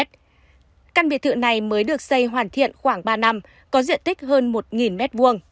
căn biệt thự này mới được xây hoàn thiện khoảng ba năm có diện tích hơn một m hai cao bốn tầng